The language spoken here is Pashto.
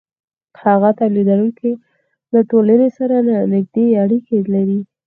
هغه تولیدونکی له ټولنې سره نږدې اړیکې لري